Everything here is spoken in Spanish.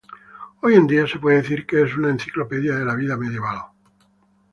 Hoy en día se puede decir que es una enciclopedia de la vida medieval.